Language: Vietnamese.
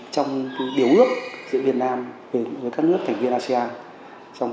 trong điều ước giữa việt nam với các nước thành viên asean